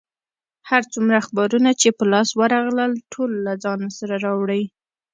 هر څومره اخبارونه چې په لاس ورغلل، ټول له ځان سره راوړي.